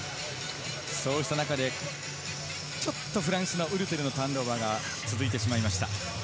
そうした中で、ちょっとフランスのウルテルのターンオーバーが続いてしまいました。